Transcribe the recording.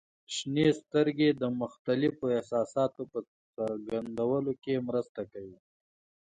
• شنې سترګې د مختلفو احساساتو په څرګندولو کې مرسته کوي.